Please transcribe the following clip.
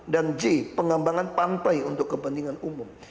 j pengembangan pantai untuk kepentingan umum